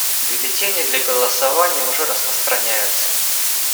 Бюллетени для голосования уже распространяются.